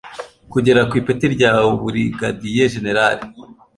kugera ku ipeti rya Burigadiye Jenerali